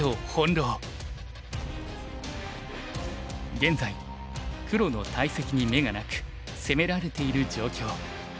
現在黒の大石に眼がなく攻められている状況。